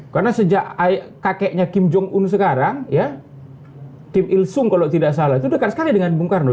karena sejak kakeknya kim jong un sekarang tim il sung kalau tidak salah itu dekat sekali dengan bung karno